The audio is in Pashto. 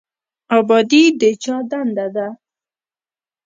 ابادي د چا دنده ده؟